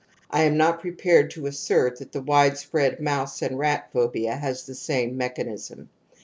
^ I am not prepared to assert that the wide spread mouse and rat phobia has the same mechanism."